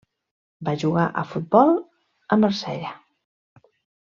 Va jugar a futbol a Marsella.